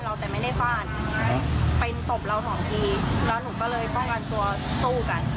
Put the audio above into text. แล้วก็เดินกลับไปไปหยิบมีดยาวขนาดนี้มาฟันที่ตู้